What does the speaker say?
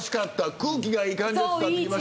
空気がいい感じが伝わってきましたね。